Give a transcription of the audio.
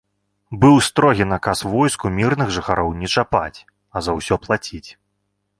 Быў строгі наказ войску мірных жыхароў не чапаць, а за ўсё плаціць.